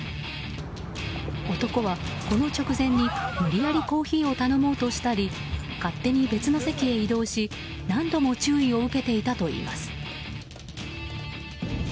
男はこの直前に、無理やりコーヒーを頼もうとしたり勝手に別の席へ移動し、何度も注意を受けていたといいます。